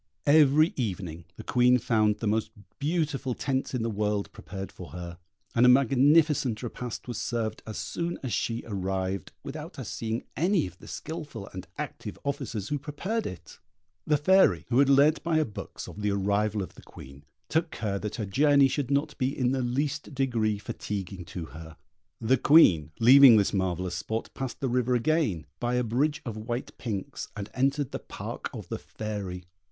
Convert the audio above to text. Every evening the Queen found the most beautiful tents in the world prepared for her, and a magnificent repast was served as soon as she arrived, without her seeing any of the skilful and active officers who prepared it. The Fairy, who had learnt by her books of the arrival of the Queen, took care that her journey should not be in the least degree fatiguing to her. The Queen, leaving this marvellous spot, passed the river again, by a bridge of white pinks, and entered the park of the Fairy.